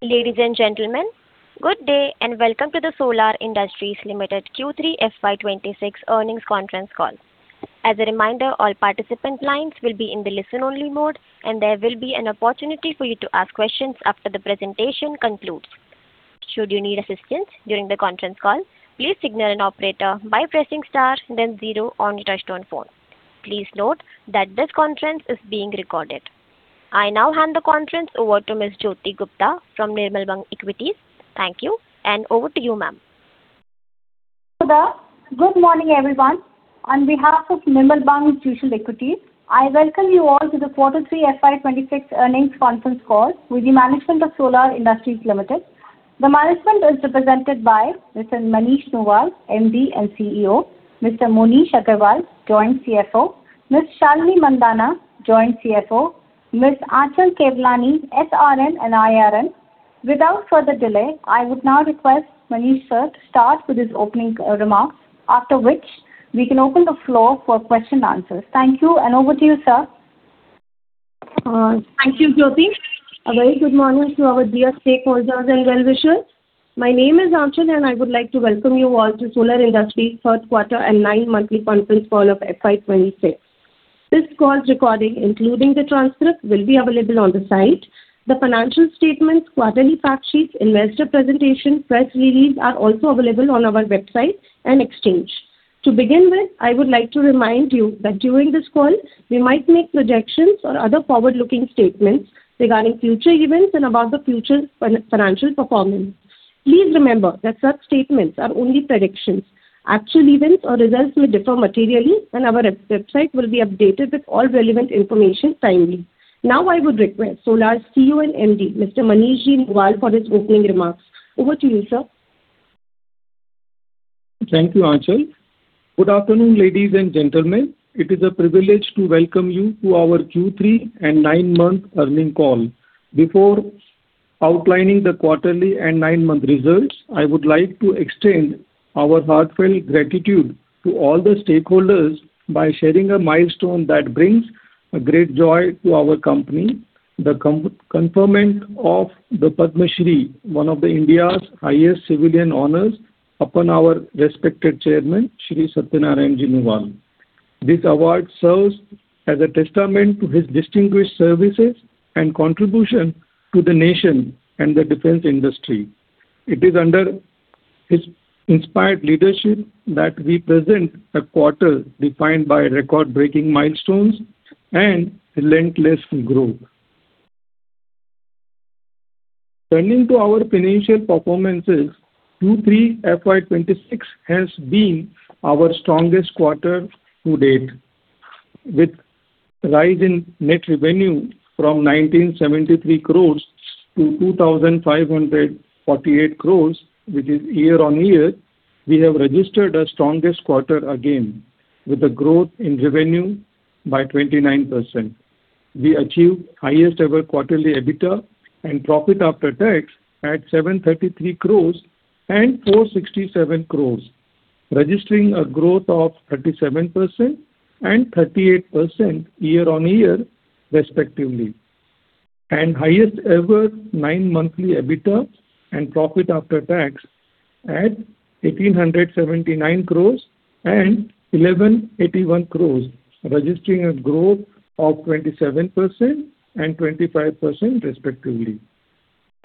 Ladies and gentlemen, good day, and welcome to the Solar Industries Limited Q3 FY 2026 earnings conference call. As a reminder, all participant lines will be in the listen-only mode, and there will be an opportunity for you to ask questions after the presentation concludes. Should you need assistance during the conference call, please signal an operator by pressing star then zero on your touchtone phone. Please note that this conference is being recorded. I now hand the conference over to Ms. Jyoti Gupta from Nirmal Bang Equities. Thank you, and over to you, ma'am. Good morning, everyone. On behalf of Nirmal Bang Institutional Equities, I welcome you all to the quarter 3 FY 2026 earnings conference call with the management of Solar Industries Limited. The management is represented by Mr. Manish Nuwal, MD and CEO, Mr. Moneesh Agrawal, Joint CFO, Ms. Shalinee Mandhana, Joint CFO, Ms. Aanchal Kewlani, CS and IR. Without further delay, I would now request Manish, sir, to start with his opening remarks, after which we can open the floor for question and answers. Thank you, and over to you, sir. Thank you, Jyoti. A very good morning to our dear stakeholders and well-wishers. My name is Aanchal, and I would like to welcome you all to Solar Industries' third quarter and nine-monthly conference call of FY 2026. This call's recording, including the transcript, will be available on the site. The financial statements, quarterly fact sheets, investor presentation, press release are also available on our website and exchange. To begin with, I would like to remind you that during this call, we might make projections or other forward-looking statements regarding future events and about the future financial performance. Please remember that such statements are only predictions. Actual events or results may differ materially, and our website will be updated with all relevant information timely. Now, I would request Solar's CEO and MD, Mr. Manish Ji Nuwal, for his opening remarks. Over to you, sir. Thank you, Aanchal. Good afternoon, ladies and gentlemen. It is a privilege to welcome you to our Q3 and nine-month earnings call. Before outlining the quarterly and nine-month results, I would like to extend our heartfelt gratitude to all the stakeholders by sharing a milestone that brings a great joy to our company, the confirmation of the Padma Shri, one of India's highest civilian honors, upon our respected Chairman, Satyanarayan Nuwal. This award serves as a testament to his distinguished services and contribution to the nation and the defense industry. It is under his inspired leadership that we present a quarter defined by record-breaking milestones and relentless growth. Turning to our financial performance, Q3 FY 2026 has been our strongest quarter to date. With rise in net revenue from 1,973 crore-2,548 crore, which is year-on-year, we have registered our strongest quarter again, with a growth in revenue by 29%. We achieved highest ever quarterly EBITDA and profit after tax at 733 crore and 467 crore, registering a growth of 37% and 38% year-on-year, respectively, and highest ever nine-monthly EBITDA and profit after tax at 1,879 crore and 1,181 crore, registering a growth of 27% and 25%, respectively.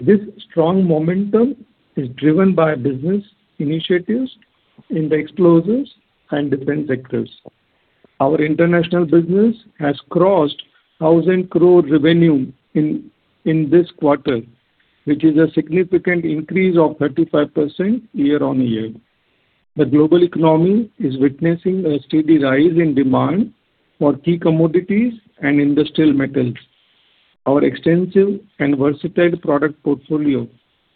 This strong momentum is driven by business initiatives in the explosives and defense sectors. Our international business has crossed 1,000 crore revenue in this quarter, which is a significant increase of 35% year-on-year. The global economy is witnessing a steady rise in demand for key commodities and industrial metals. Our extensive and versatile product portfolio,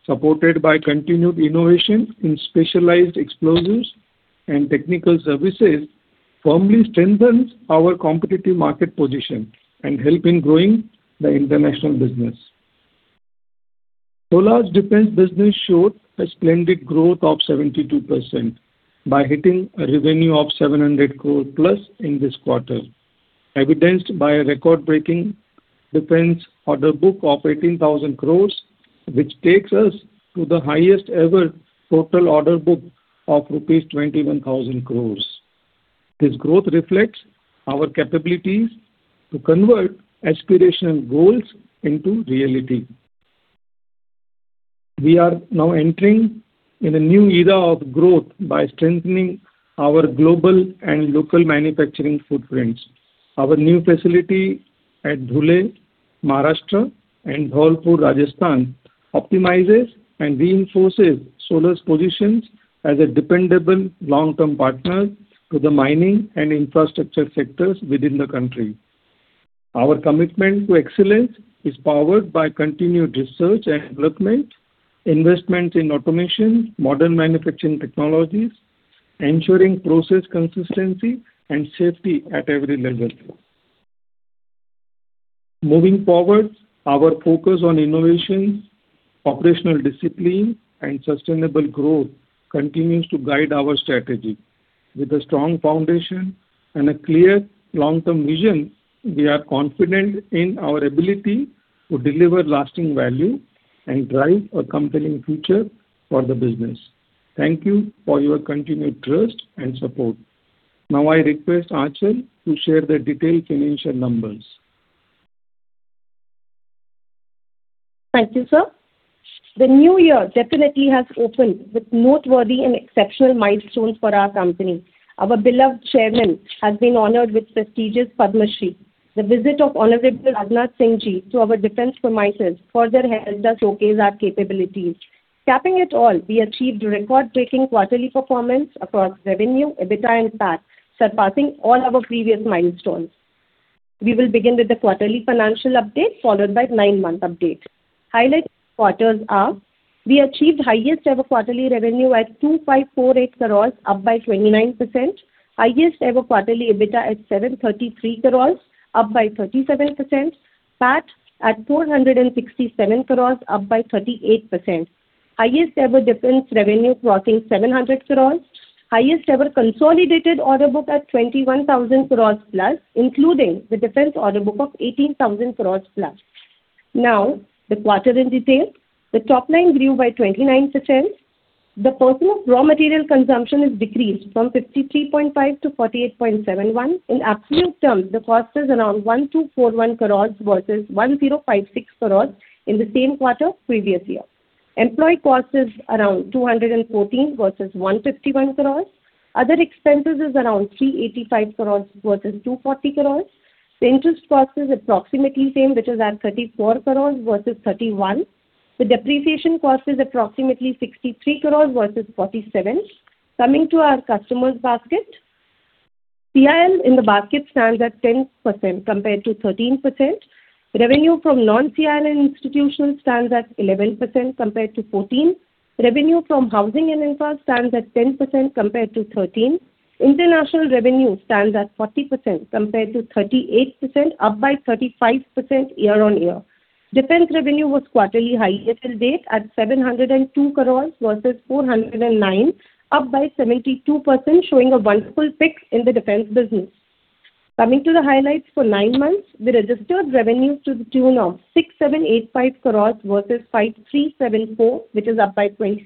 supported by continued innovation in specialized explosives and technical services, firmly strengthens our competitive market position and help in growing the international business. Solar's defense business showed a splendid growth of 72% by hitting a revenue of 700 crore+ in this quarter, evidenced by a record-breaking defense order book of 18,000 crore, which takes us to the highest ever total order book of rupees 21,000 crore. This growth reflects our capabilities to convert aspirational goals into reality. We are now entering in a new era of growth by strengthening our global and local manufacturing footprints. Our new facility at Dhule, Maharashtra and Jodhpur, Rajasthan, optimizes and reinforces Solar's positions as a dependable long-term partner to the mining and infrastructure sectors within the country. Our commitment to excellence is powered by continued research and development, investment in automation, modern manufacturing technologies, ensuring process consistency and safety at every level. Moving forward, our focus on innovation, operational discipline, and sustainable growth continues to guide our strategy.... With a strong foundation and a clear long-term vision, we are confident in our ability to deliver lasting value and drive a compelling future for the business. Thank you for your continued trust and support. Now I request Aanchal to share the detailed financial numbers. Thank you, sir. The new year definitely has opened with noteworthy and exceptional milestones for our company. Our beloved chairman has been honored with prestigious Padma Shri. The visit of Honorable Rajnath Singh Ji to our defense premises further helped us showcase our capabilities. Capping it all, we achieved record-breaking quarterly performance across revenue, EBITDA, and PAT, surpassing all our previous milestones. We will begin with the quarterly financial update, followed by nine-month update. Highlight quarters are: we achieved highest ever quarterly revenue at 2,548 crore, up by 29%. Highest ever quarterly EBITDA at 733 crore, up by 37%. PAT at 467 crore, up by 38%. Highest ever defense revenue crossing 700 crore. Highest ever consolidated order book at 21,000 crore+, including the defense order book of 18,000 crore+. Now, the quarter in detail. The top line grew by 29%. The cost of raw material consumption is decreased from 53.5 to 48.71. In absolute terms, the cost is around 1,241 crores versus 1,056 crores in the same quarter previous year. Employee cost is around 214 crores versus 151 crores. Other expenses is around 385 crores versus 240 crores. The interest cost is approximately same, which is at 34 crores versus 31 crores. The depreciation cost is approximately 63 crores versus 47 crores. Coming to our customers basket. CIL in the basket stands at 10% compared to 13%. Revenue from non-CIL and institutional stands at 11% compared to 14%. Revenue from housing and infrastructure stands at 10% compared to 13%. International revenue stands at 40% compared to 38%, up by 35% year-on-year. Defense revenue was quarterly high year till date at 702 crores versus 409 crores, up by 72%, showing a wonderful pick in the defense business. Coming to the highlights for nine months, we registered revenues to the tune of 6,785 crores versus 5,374 crores, which is up by 26%.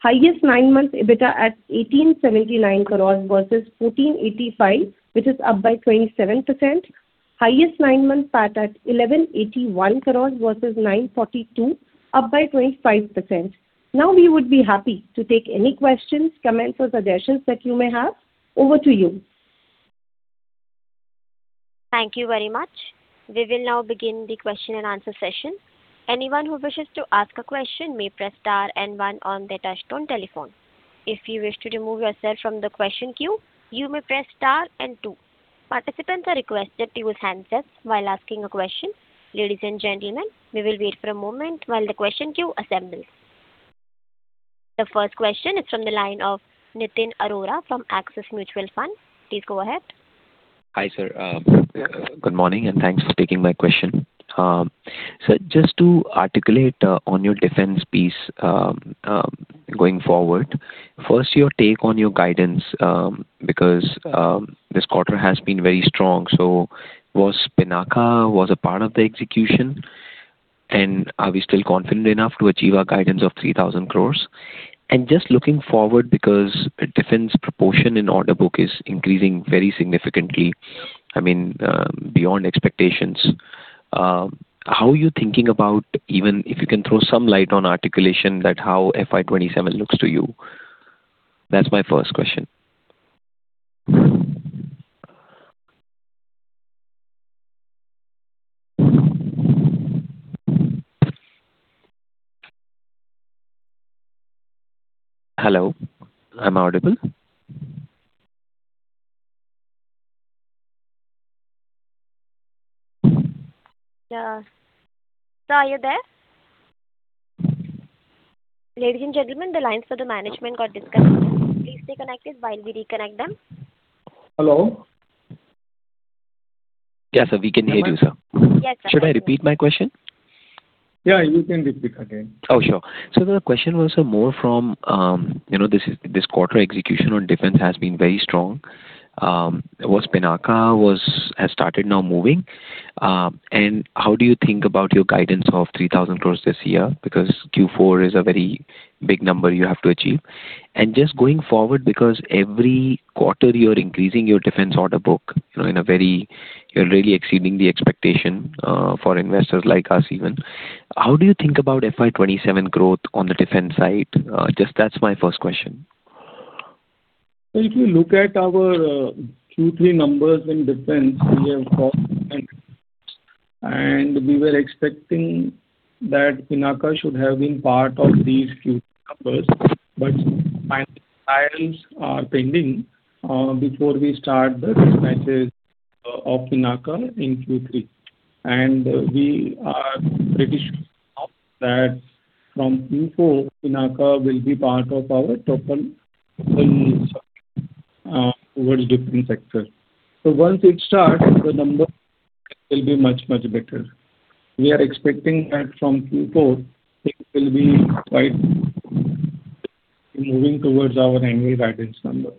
Highest nine-month EBITDA at 1,879 crores versus 1,485 crores, which is up by 27%. Highest nine-month PAT at 1,181 crores versus 942 crores, up by 25%. Now, we would be happy to take any questions, comments, or suggestions that you may have. Over to you. Thank you very much. We will now begin the question and answer session. Anyone who wishes to ask a question may press star and one on their touchtone telephone. If you wish to remove yourself from the question queue, you may press star and two. Participants are requested to use handsets while asking a question. Ladies and gentlemen, we will wait for a moment while the question queue assembles. The first question is from the line of Nitin Arora from Axis Mutual Fund. Please go ahead. Hi, sir. Good morning, and thanks for taking my question. Just to articulate on your defense piece going forward, first, your take on your guidance because this quarter has been very strong. Was Pinaka was a part of the execution? And are we still confident enough to achieve our guidance of 3,000 crore? And just looking forward, because defense proportion in order book is increasing very significantly, I mean, beyond expectations, how are you thinking about, even if you can throw some light on articulation that how FY 2027 looks to you? That's my first question. Hello, am I audible? Yeah. Sir, are you there? Ladies and gentlemen, the lines for the management got disconnected. Please stay connected while we reconnect them. Hello? Yes, sir, we can hear you, sir. Yes. Should I repeat my question? Yeah, you can repeat again. Oh, sure. So the question was, sir, more from, you know, this, this quarter execution on defense has been very strong. Has Pinaka started now moving? And how do you think about your guidance of 3,000 crore this year? Because Q4 is a very big number you have to achieve. And just going forward, because every quarter you're increasing your defense order book, you know, in a very... You're really exceeding the expectation, for investors like us even. How do you think about FY 2027 growth on the defense side? Just that's my first question. If you look at our Q3 numbers in defense, we have got, and we were expecting that Pinaka should have been part of these Q3 numbers, but final trials are pending before we start the dispatches of Pinaka in Q3. We are pretty sure now that from Q4, Pinaka will be part of our total solution towards different sectors. Once it starts, the numbers will be much, much better. We are expecting that from Q4, things will be quite moving towards our annual guidance number.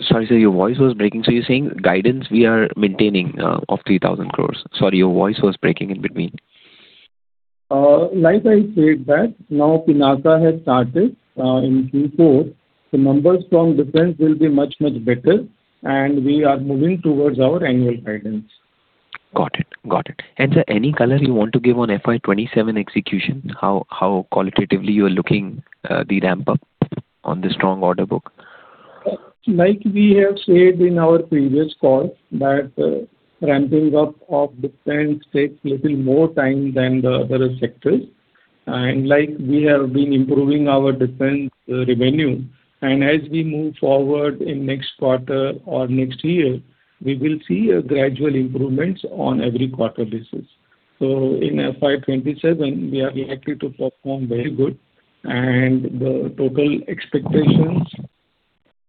Sorry, sir, your voice was breaking. So you're saying guidance, we are maintaining, of 3,000 crore. Sorry, your voice was breaking in between. Like I said, that now Pinaka has started in Q4. The numbers from defense will be much, much better, and we are moving towards our annual guidance. Got it. Got it. Sir, any color you want to give on FY 27 execution? How qualitatively you are looking the ramp-up on the strong order book? Like we have said in our previous call, that ramping up of defense takes little more time than the other sectors. Like we have been improving our defense revenue, and as we move forward in next quarter or next year, we will see a gradual improvements on every quarter basis. So in FY 2027, we are likely to perform very good, and the total expectations,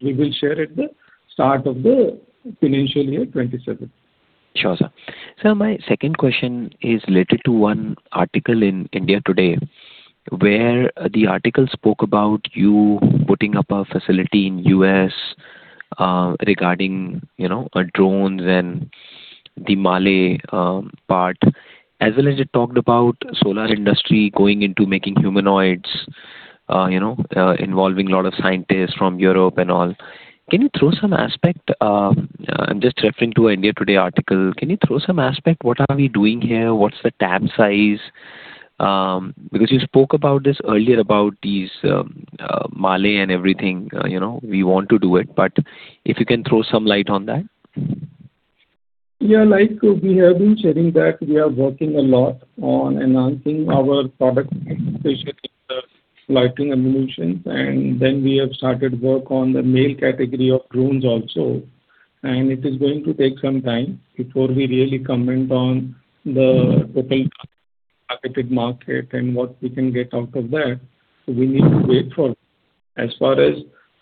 we will share at the start of the financial year 2027. Sure, sir. Sir, my second question is related to one article in India Today, where the article spoke about you putting up a facility in U.S., regarding, you know, drones and the MALE part, as well as it talked about Solar Industries going into making humanoids, you know, involving a lot of scientists from Europe and all. Can you throw some aspect? I'm just referring to India Today article. Can you throw some aspect? What are we doing here? What's the tab size? Because you spoke about this earlier, about these MALE and everything, you know, we want to do it, but if you can throw some light on that. Yeah, like we have been sharing that we are working a lot on enhancing our product, especially the loitering ammunition, and then we have started work on the MALE category of drones also. And it is going to take some time before we really comment on the total targeted market and what we can get out of that. We need to wait for it. As far as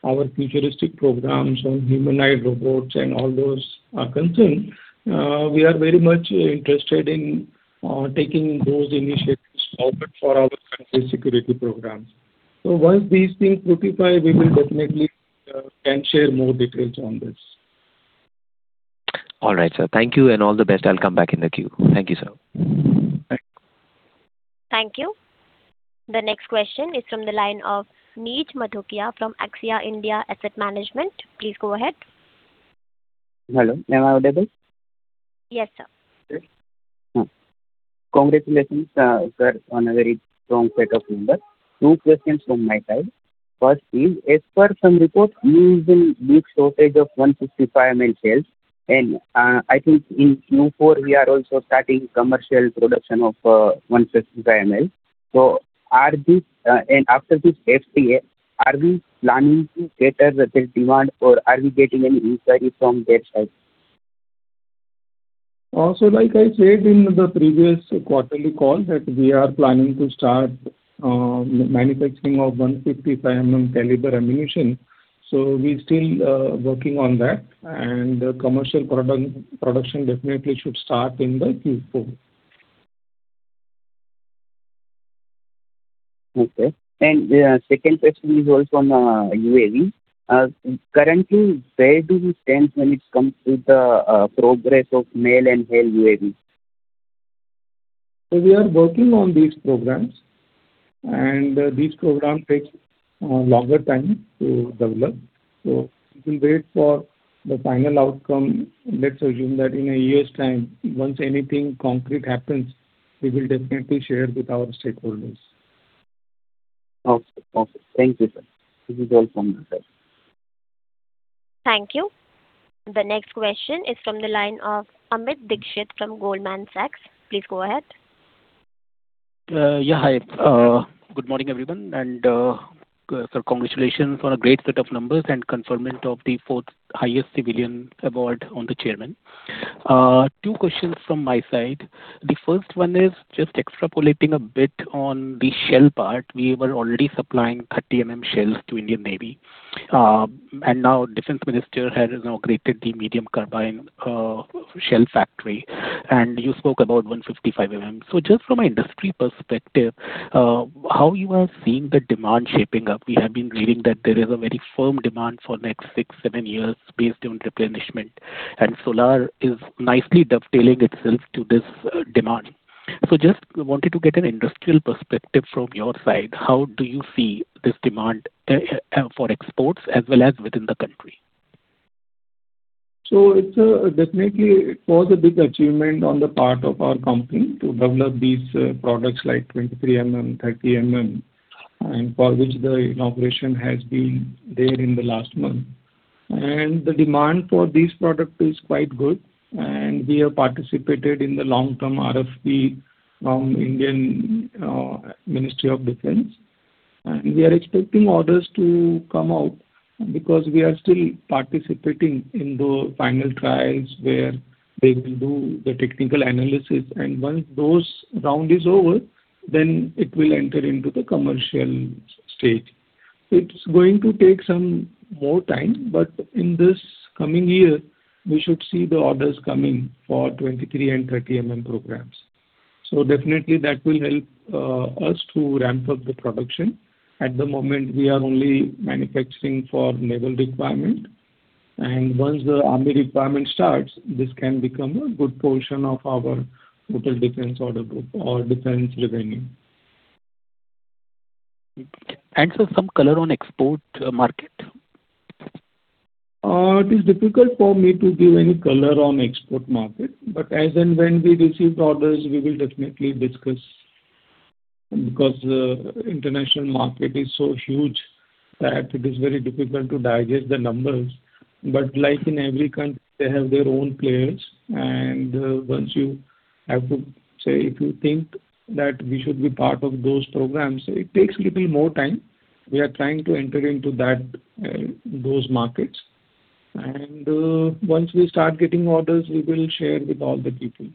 our futuristic programs on humanoid robots and all those are concerned, we are very much interested in, taking those initiatives forward for our country's security programs. So once these things solidify, we will definitely, can share more details on this. All right, sir. Thank you and all the best. I'll come back in the queue. Thank you, sir. Thank you. The next question is from the line of Neha Madhuparia from Axis Mutual Fund. Please go ahead. Hello, am I audible? Yes, sir. Congratulations, sir, on a very strong set of numbers. Two questions from my side. First is, as per some reports, there is a big shortage of 155 mm shells, and I think in Q4, we are also starting commercial production of 155 mm. So are these, and after this FTA, are we planning to cater the demand, or are we getting any inquiry from that side? So like I said in the previous quarterly call, that we are planning to start manufacturing of 155 mm caliber ammunition. So we still working on that, and commercial production definitely should start in the Q4. Okay. And second question is also on UAV. Currently, where do we stand when it comes to the progress of MALE and HALE UAV? So we are working on these programs, and these programs takes longer time to develop. So we will wait for the final outcome. Let's assume that in a year's time, once anything concrete happens, we will definitely share with our stakeholders. Okay. Okay. Thank you, sir. This is all from my side. Thank you. The next question is from the line of Amit Dixit from Goldman Sachs. Please go ahead. Yeah, hi. Good morning, everyone, and, sir, congratulations on a great set of numbers and conferment of the fourth highest civilian award to the chairman. Two questions from my side. The first one is just extrapolating a bit on the shell part. We were already supplying 30 mm shells to Indian Navy. And now defense minister has inaugurated the medium-caliber shell factory, and you spoke about 155 mm. So just from an industry perspective, how you are seeing the demand shaping up? We have been reading that there is a very firm demand for next 6-7 years based on replenishment, and Solar is nicely dovetailing itself to this demand. So just wanted to get an industrial perspective from your side. How do you see this demand for exports as well as within the country? So it's definitely it was a big achievement on the part of our company to develop these products like 23 mm, 30 mm, and for which the inauguration has been there in the last month. And the demand for this product is quite good, and we have participated in the long-term RFP from Indian Ministry of Defense. And we are expecting orders to come out because we are still participating in the final trials, where they will do the technical analysis, and once those round is over, then it will enter into the commercial stage. It's going to take some more time, but in this coming year, we should see the orders coming for 23 and 30 mm programs. So definitely that will help us to ramp up the production. At the moment, we are only manufacturing for naval requirement, and once the army requirement starts, this can become a good portion of our total defense order group or defense revenue. Some color on export market? It is difficult for me to give any color on export market, but as and when we receive orders, we will definitely discuss, because the international market is so huge that it is very difficult to digest the numbers. But like in every country, they have their own players, and once you have to say, if you think that we should be part of those programs, it takes little more time. We are trying to enter into that, those markets. And once we start getting orders, we will share with all the people.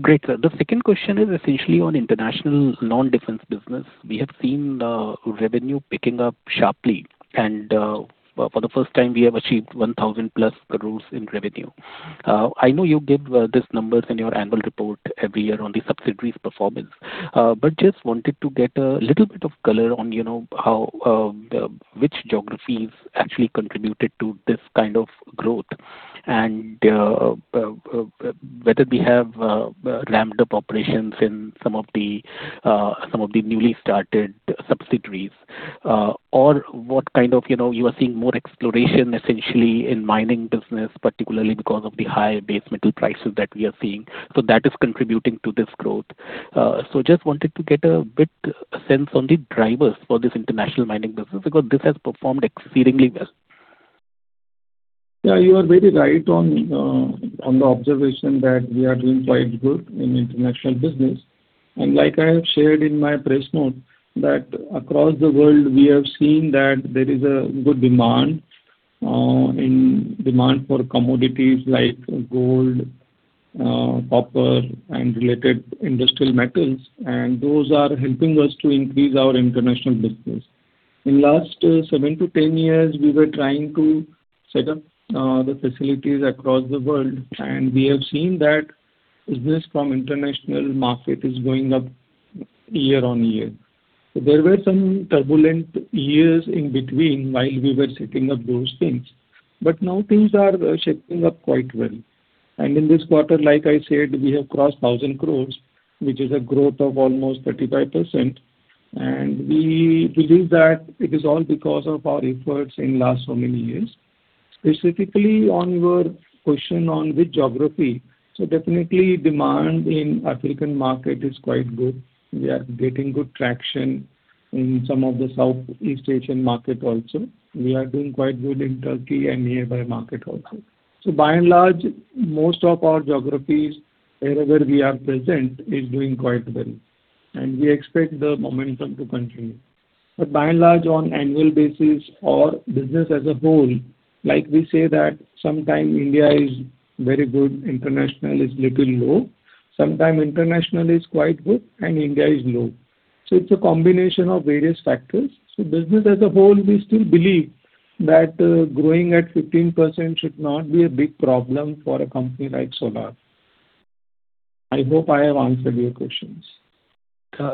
Great, sir. The second question is essentially on international non-defense business. We have seen the revenue picking up sharply, and, for the first time, we have achieved 1,000+ crores in revenue. I know you give, these numbers in your annual report every year on the subsidiaries performance, but just wanted to get a little bit of color on, you know, how, which geographies actually contributed to this kind of growth, and, whether we have, ramped up operations in some of the, some of the newly started subsidiaries, or what kind of, you know, you are seeing more exploration, essentially, in mining business, particularly because of the high base metal prices that we are seeing. So that is contributing to this growth. Just wanted to get a bit sense on the drivers for this international mining business, because this has performed exceedingly well. Yeah, you are very right on, on the observation that we are doing quite good in international business. And like I have shared in my press note, that across the world, we have seen that there is a good demand, in demand for commodities like gold, copper, and related industrial metals, and those are helping us to increase our international business. In last seven to 10 years, we were trying to set up, the facilities across the world, and we have seen that business from international market is going up year-on-year. There were some turbulent years in between while we were setting up those things, but now things are shaping up quite well. In this quarter, like I said, we have crossed 1,000 crore, which is a growth of almost 35%, and we believe that it is all because of our efforts in last so many years. Specifically on your question on which geography, so definitely demand in African market is quite good. We are getting good traction in some of the Southeast Asian market also. We are doing quite good in Turkey and nearby market also. So by and large, most of our geographies, wherever we are present, is doing quite well, and we expect the momentum to continue. But by and large, on annual basis or business as a whole, like we say that sometimes India is very good, international is little low. Sometimes international is quite good and India is low. So it's a combination of various factors. Business as a whole, we still believe that, growing at 15% should not be a big problem for a company like Solar. I hope I have answered your questions.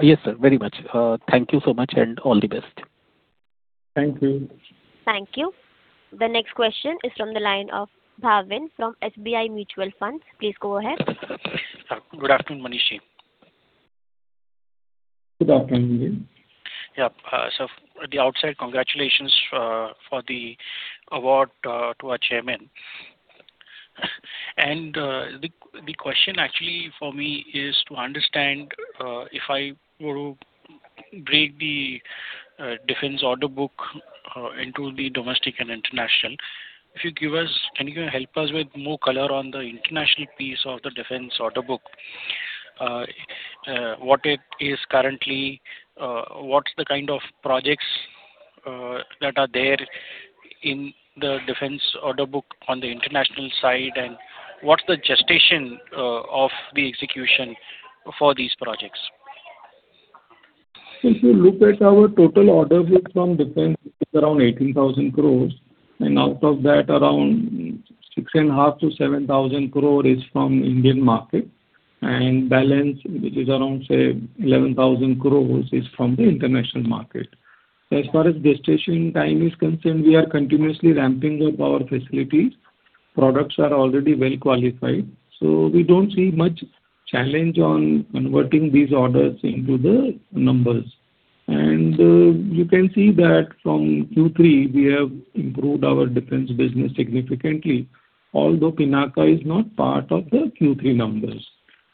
Yes, sir, very much. Thank you so much, and all the best. Thank you. Thank you. The next question is from the line of Bhavin from SBI Mutual Funds. Please go ahead. Good afternoon, Manish. Good afternoon. Yeah. So at the outset, congratulations for the award to our chairman. And the question actually for me is to understand if I were to break the defense order book into the domestic and international. If you give us, can you help us with more color on the international piece of the defense order book? What it is currently, what's the kind of projects that are there in the defense order book on the international side, and what's the gestation of the execution for these projects? If you look at our total order book from defense, it's around 18,000 crore, and out of that, around 6,500 crore-7,000 crore is from Indian market, and balance, which is around, say, 11,000 crore, is from the international market. As far as gestation time is concerned, we are continuously ramping up our facilities. Products are already well qualified, so we don't see much challenge on converting these orders into the numbers. And you can see that from Q3, we have improved our defense business significantly, although Pinaka is not part of the Q3 numbers.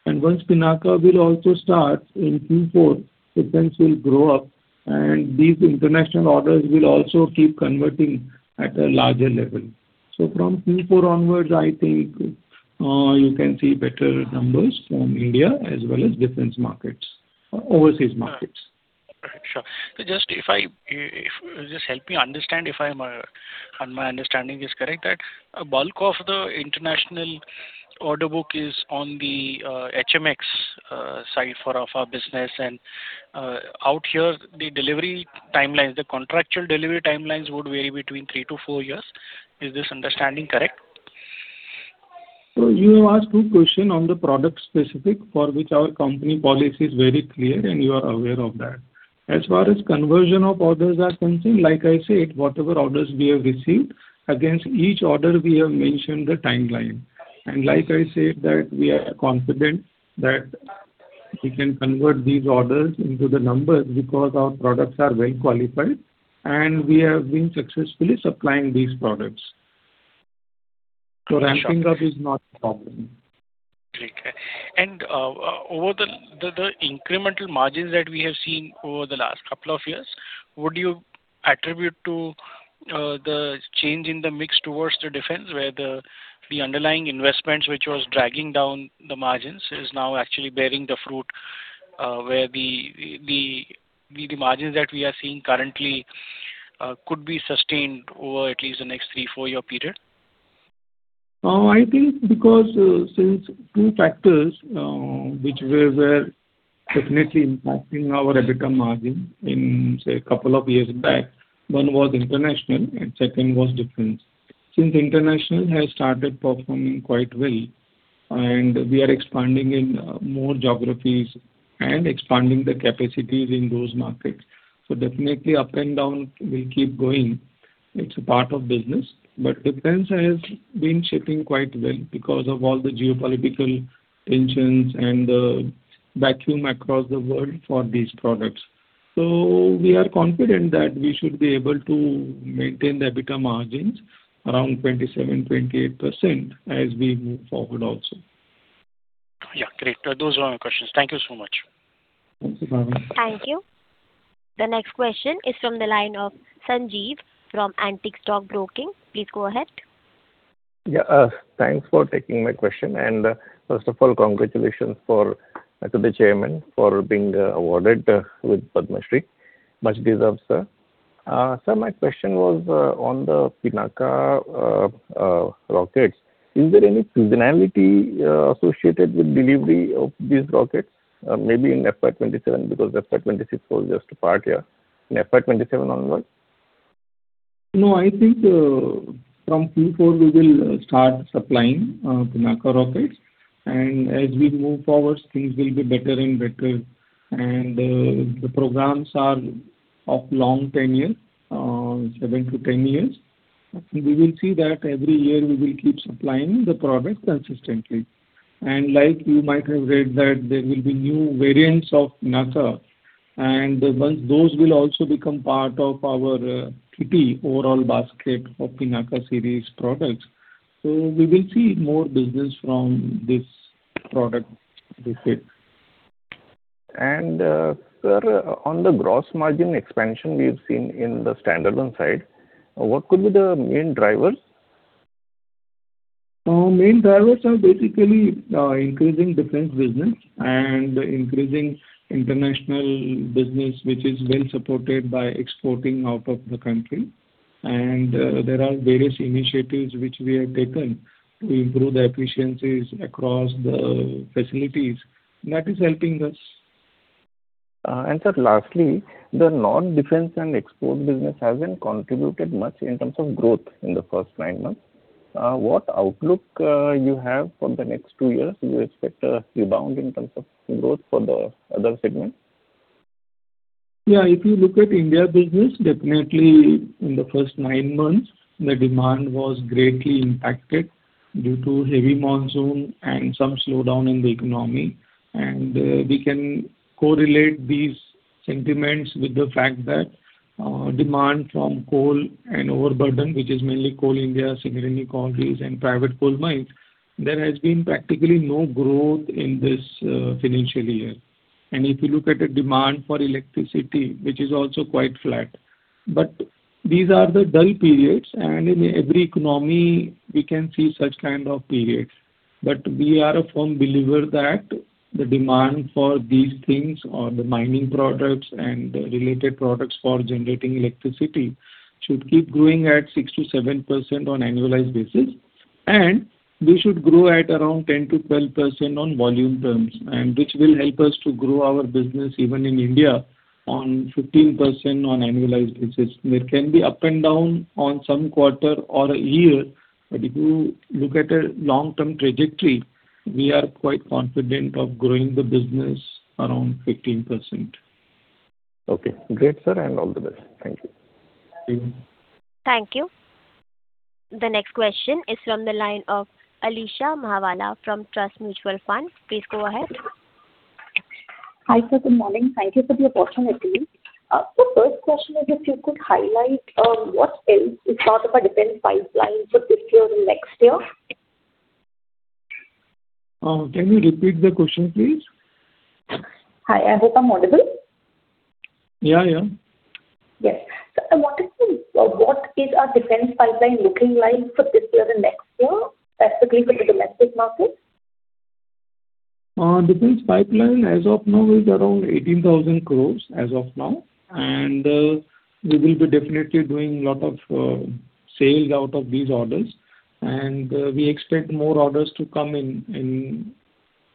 And once Pinaka will also start in Q4, defense will grow up, and these international orders will also keep converting at a larger level. So from Q4 onwards, I think you can see better numbers from India as well as defense markets, overseas markets. Sure. So just if I—if... Just help me understand if I'm, my understanding is correct, that a bulk of the international... order book is on the, HMX, side for, of our business, and, out here, the delivery timelines, the contractual delivery timelines would vary between three to four years. Is this understanding correct? You asked good question on the product specific, for which our company policy is very clear, and you are aware of that. As far as conversion of orders are concerned, like I said, whatever orders we have received, against each order we have mentioned the timeline. like I said, that we are confident that we can convert these orders into the numbers because our products are well-qualified, and we have been successfully supplying these products. ramping up is not a problem. Over the incremental margins that we have seen over the last couple of years, would you attribute to the change in the mix towards the defense, where the underlying investments, which was dragging down the margins, is now actually bearing the fruit, where the margins that we are seeing currently could be sustained over at least the next three to four year period? I think because, since two factors, which were, were definitely impacting our EBITDA margin in, say, couple of years back, one was international and second was defense. Since international has started performing quite well, and we are expanding in more geographies and expanding the capacities in those markets. So definitely up and down will keep going. It's a part of business. But defense has been shaping quite well because of all the geopolitical tensions and the vacuum across the world for these products. So we are confident that we should be able to maintain the EBITDA margins around 27%-28% as we move forward also. Yeah, great. Those were my questions. Thank you so much. Thank you very much. Thank you. The next question is from the line of Sanjeev from Antique Stock Broking. Please go ahead. Yeah, thanks for taking my question. First of all, congratulations for to the chairman for being awarded with Padma Shri. Much deserved, sir. Sir, my question was on the Pinaka rockets. Is there any seasonality associated with delivery of these rockets? Maybe in FY 2027, because FY 2026 was just a part year, in FY 2027 onwards. No, I think from Q4 we will start supplying Pinaka rockets, and as we move forward, things will be better and better. And the programs are of long tenure, seven to 10 years. We will see that every year we will keep supplying the product consistently. And like you might have read, that there will be new variants of Pinaka, and once those will also become part of our kitty, overall basket of Pinaka series products, so we will see more business from this product this year. Sir, on the gross margin expansion we've seen in the standalone side, what could be the main drivers? Main drivers are basically increasing defense business and increasing international business, which is well supported by exporting out of the country. There are various initiatives which we have taken to improve the efficiencies across the facilities. That is helping us. And sir, lastly, the non-defense and export business hasn't contributed much in terms of growth in the first nine months. What outlook, you have for the next two years? Do you expect a rebound in terms of growth for the other segments? Yeah, if you look at India business, definitely in the first nine months, the demand was greatly impacted due to heavy monsoon and some slowdown in the economy. And we can correlate these sentiments with the fact that demand from coal and overburden, which is mainly Coal India, Singareni Collieries, and private coal mines, there has been practically no growth in this financial year. And if you look at the demand for electricity, which is also quite flat. But these are the dull periods, and in every economy, we can see such kind of periods. But we are a firm believer that the demand for these things, or the mining products and related products for generating electricity, should keep growing at 6%-7% on annualized basis. They should grow at around 10%-12% on volume terms, and which will help us to grow our business even in India on 15% on annualized basis. It can be up and down on some quarter or a year, but if you look at the long-term trajectory, we are quite confident of growing the business around 15%. Okay, great, sir, and all the best. Thank you. Thank you. Thank you. The next question is from the line of Alisha Mahawla from Trust Mutual Fund. Please go ahead. Hi, sir. Good morning. Thank you for your presentation. The first question is, if you could highlight what else is part of our defense pipeline for this year and next year? Can you repeat the question, please? Hi, I hope I'm audible. Yeah, yeah. Yes. So what is our defense pipeline looking like for this year and next year, specifically for the domestic market?... Defense pipeline as of now is around 18,000 crore as of now, and we will be definitely doing a lot of sales out of these orders. And we expect more orders to come in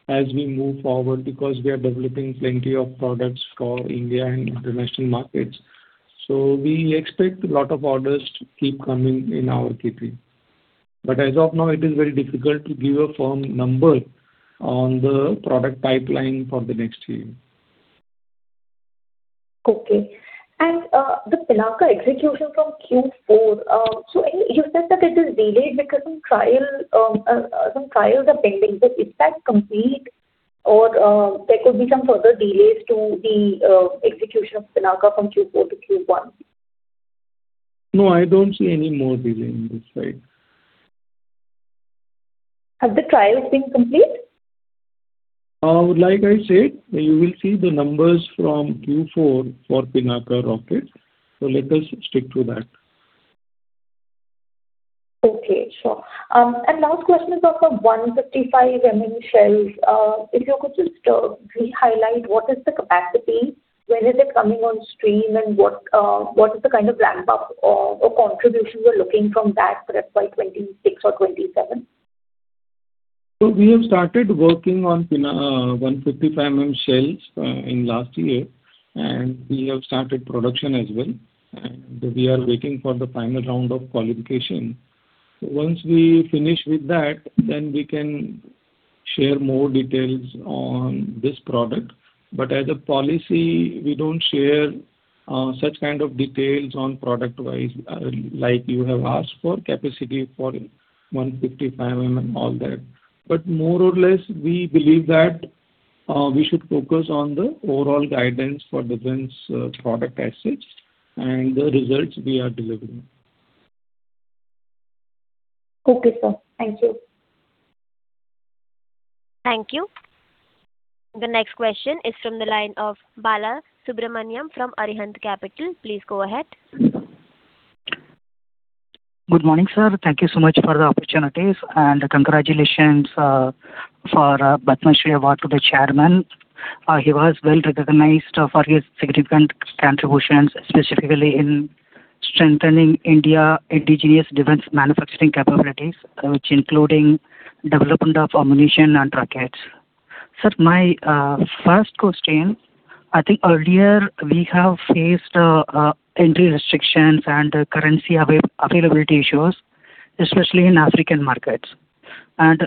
as we move forward, because we are developing plenty of products for India and international markets. So we expect a lot of orders to keep coming in our kitty. But as of now, it is very difficult to give a firm number on the product pipeline for the next year. Okay. And, the Pinaka execution from Q4, so you said that it is delayed because some trials are pending, but is that complete? Or, there could be some further delays to the execution of Pinaka from Q4 to Q1? No, I don't see any more delay in this, right? Have the trials been complete? Like I said, you will see the numbers from Q4 for Pinaka rockets, so let us stick to that. Okay, sure. Last question is on 155-mm shells. If you could just re-highlight, what is the capacity? When is it coming on stream? And what, what is the kind of ramp up or contribution we're looking from that perhaps by 2026 or 2027? So we have started working on Pinaka 155 mm shells in last year, and we have started production as well, and we are waiting for the final round of qualification. Once we finish with that, then we can share more details on this product. But as a policy, we don't share such kind of details on product-wise, like you have asked for capacity for 155 mm, all that. But more or less, we believe that we should focus on the overall guidance for defense product as such, and the results we are delivering. Okay, sir. Thank you. Thank you. The next question is from the line of Balasubramanian from Arihant Capital. Please go ahead. Good morning, sir. Thank you so much for the opportunities, and congratulations for Padma Shri Award to the chairman. He was well recognized for his significant contributions, specifically in strengthening India indigenous defense manufacturing capabilities, which including development of ammunition and rockets. Sir, my first question: I think earlier we have faced entry restrictions and currency availability issues, especially in African markets.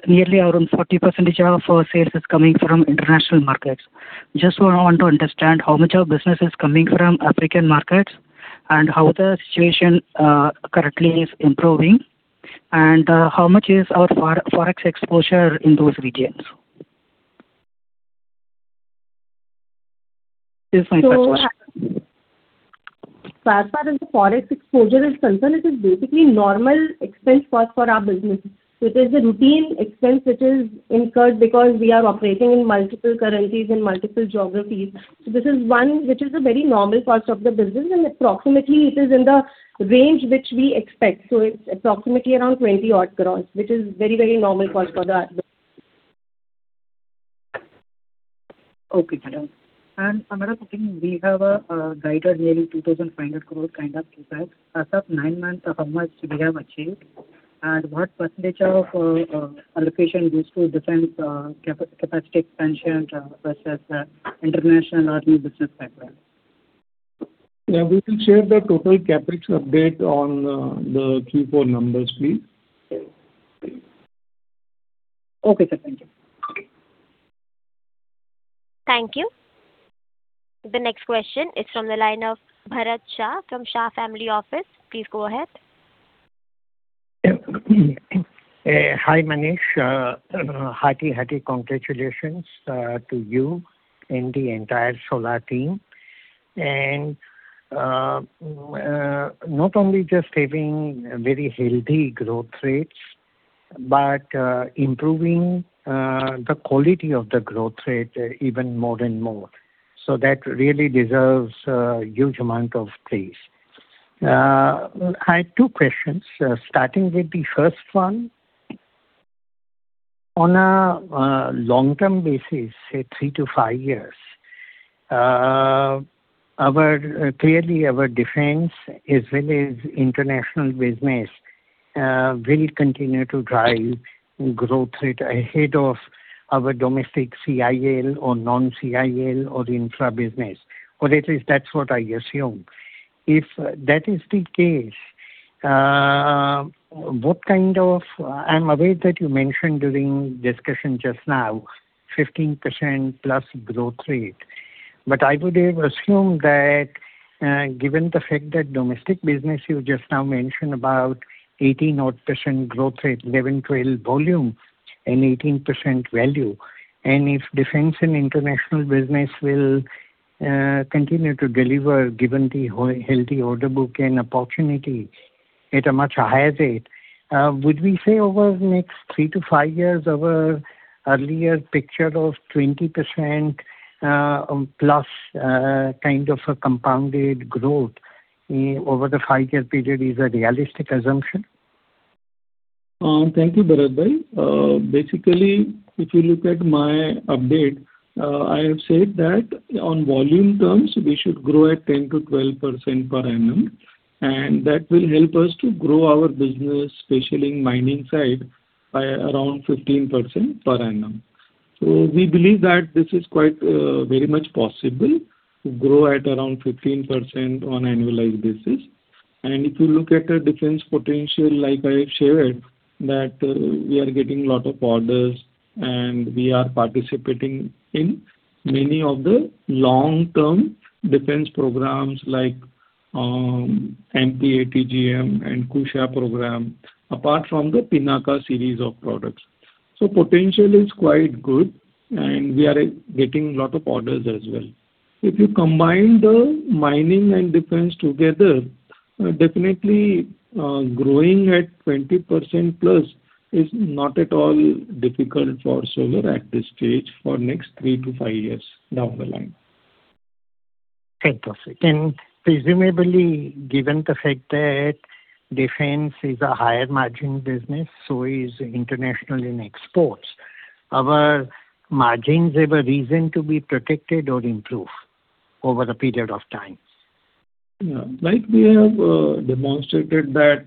Nearly around 40% of our sales is coming from international markets. Just want to understand how much of business is coming from African markets, and how the situation currently is improving, and how much is our forex exposure in those regions? This is my first question. So as far as the forex exposure is concerned, it is basically normal expense cost for our business. It is a routine expense which is incurred because we are operating in multiple currencies and multiple geographies. So this is one which is a very normal cost of the business, and approximately it is in the range which we expect. So it's approximately around 20-odd crores, which is very, very normal cost for that. Okay, madam. Another question, we have guided nearly 2,500 crore kind of CapEx. As of nine months, how much we have achieved? What percentage of allocation goes to different capacity expansion versus international or new business CapEx? Yeah, we will share the total CapEx update on the Q4 numbers, please. Okay, sir. Thank you. Thank you. The next question is from the line of Bharat Shah from ASK Group. Please go ahead. Hi, Manish. Hearty, hearty congratulations to you and the entire Solar team. Not only just having very healthy growth rates, but improving the quality of the growth rate even more and more. So that really deserves a huge amount of praise. I have two questions. Starting with the first one, on a long-term basis, say three to five years, clearly our defense as well as international business will continue to drive growth rate ahead of our domestic CIL or non-CIL or infra business, or at least that's what I assume. If that is the case, what kind of—I'm aware that you mentioned during discussion just now 15%+ growth rate. But I would have assumed that, given the fact that domestic business, you just now mentioned about 18 odd percent growth rate, 11, 12 volume and 18% value. And if defense and international business will continue to deliver, given the healthy order book and opportunity at a much higher rate, would we say over the next three to five years, our earlier picture of 20%, plus, kind of a compounded growth, over the five-year period is a realistic assumption? Thank you, Bharat. Basically, if you look at my update, I have said that on volume terms, we should grow at 10%-12% per annum, and that will help us to grow our business, especially in mining side, by around 15% per annum. So we believe that this is quite, very much possible to grow at around 15% on annualized basis. And if you look at the defense potential, like I have shared, that we are getting a lot of orders, and we are participating in many of the long-term defense programs like MPATGM and KUSHA program, apart from the Pinaka series of products. So potential is quite good, and we are getting a lot of orders as well. If you combine the mining and defense together, definitely, growing at 20%+ is not at all difficult for Solar at this stage for next three to five years down the line. Fantastic. Presumably, given the fact that defense is a higher margin business, so is international and exports, our margins have a reason to be protected or improved over the period of time? Yeah. Like we have demonstrated that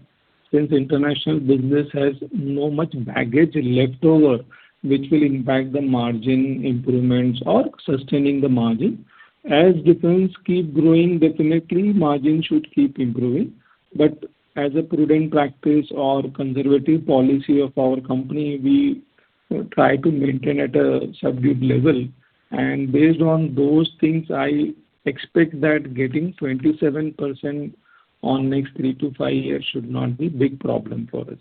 since international business has no much baggage left over, which will impact the margin improvements or sustaining the margin. As defense keep growing, definitely margin should keep improving. But as a prudent practice or conservative policy of our company, we try to maintain at a subdued level. And based on those things, I expect that getting 27% in next three to five years should not be big problem for us.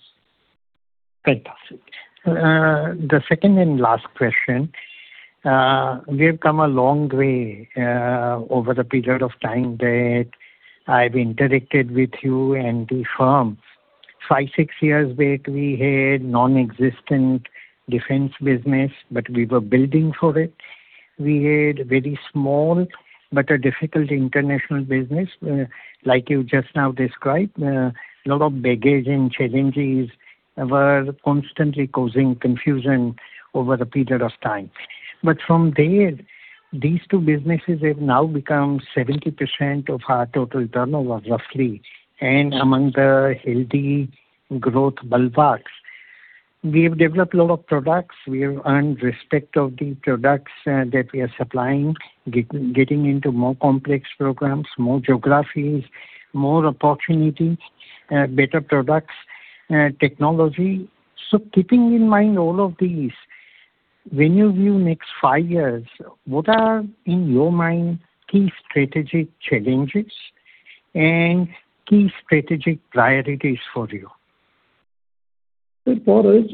Fantastic. The second and last question. We have come a long way, over the period of time that I've interacted with you and the firm. 5, 6 years back, we had nonexistent defense business, but we were building for it. We had very small but a difficult international business. Like you just now described, a lot of baggage and challenges were constantly causing confusion over the period of time. But from there, these two businesses have now become 70% of our total turnover, roughly, and among the healthy growth bulwarks. We have developed a lot of products. We have earned respect of the products that we are supplying, getting into more complex programs, more geographies, more opportunities, better products, technology. Keeping in mind all of these, when you view next five years, what are, in your mind, key strategic challenges and key strategic priorities for you? So for us,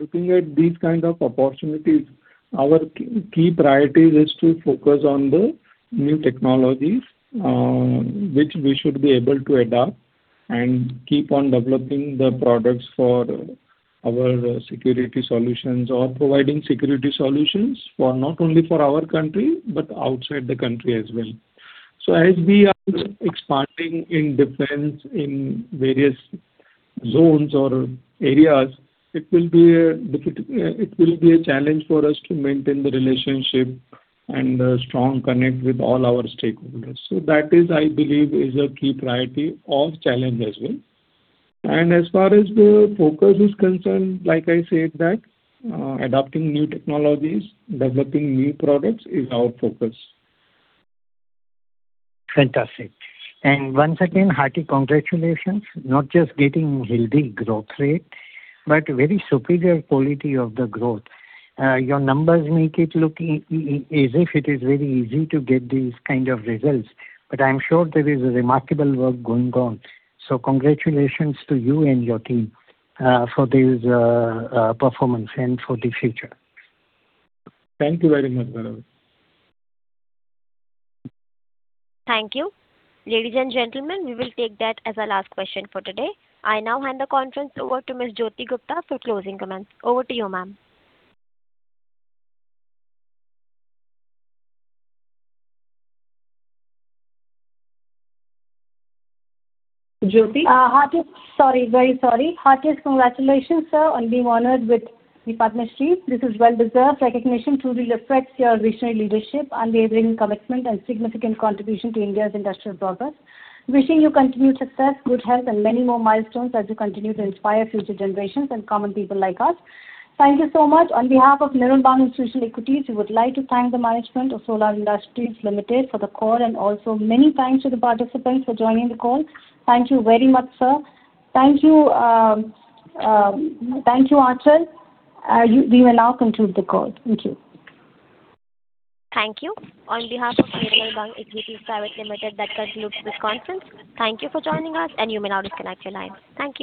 looking at these kind of opportunities, our key priority is to focus on the new technologies, which we should be able to adopt and keep on developing the products for our security solutions or providing security solutions for not only for our country, but outside the country as well. So as we are expanding in defense in various zones or areas, it will be a challenge for us to maintain the relationship and a strong connect with all our stakeholders. So that is, I believe, is a key priority or challenge as well. And as far as the focus is concerned, like I said, that, adopting new technologies, developing new products is our focus. Fantastic. And once again, hearty congratulations, not just getting healthy growth rate, but very superior quality of the growth. Your numbers make it look as if it is very easy to get these kind of results, but I'm sure there is a remarkable work going on. So congratulations to you and your team, for this, performance and for the future. Thank you very much, Bharat. Thank you. Ladies and gentlemen, we will take that as our last question for today. I now hand the conference over to Ms. Jyoti Gupta for closing comments. Over to you, ma'am. Jyoti? Heartiest congratulations, sir, on being honored with Padma Shri. This is well-deserved recognition, truly reflects your visionary leadership, unwavering commitment, and significant contribution to India's industrial progress. Wishing you continued success, good health, and many more milestones as you continue to inspire future generations and common people like us. Thank you so much. On behalf of Nirmal Bang Institutional Equities, we would like to thank the management of Solar Industries Limited for the call, and also many thanks to the participants for joining the call. Thank you very much, sir. Thank you, thank you, Aanchal. We will now conclude the call. Thank you. Thank you. On behalf of Nirmal Bang Institutional Equities, that concludes this conference. Thank you for joining us, and you may now disconnect your line. Thank you.